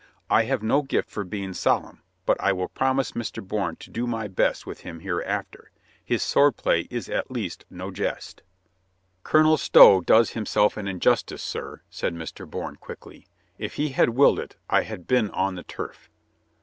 I have no gift for being solemn, but I will promise Mr. Bourne to do my best with him hereafter. His sword play is at least no jest." "Colonel Stow does himself an injustice, sir," said Mr. Bourne quickly. "If he had willed it I had been on the turf."